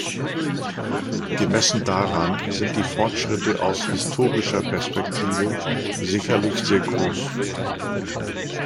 Gemessen daran sind die Fortschritte aus historischer Perspektive sicherlich sehr groß.